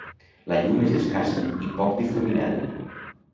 La llum és escassa i poc difuminada.